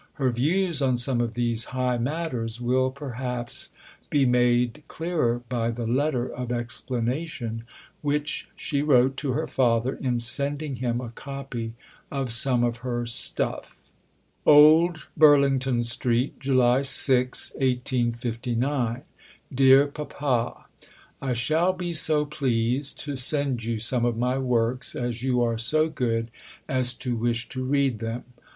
Her views on some of these high matters will perhaps be made clearer by the letter of explanation which she wrote to her father in sending him a copy of some of her "Stuff": OLD BURLINGTON STREET, July 6 . DEAR PAPA I shall be so pleased to send you some of my "works," as you are so good as to wish to read them.